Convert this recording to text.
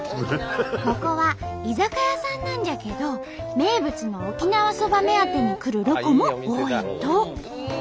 ここは居酒屋さんなんじゃけど名物の沖縄そば目当てに来るロコも多いんと！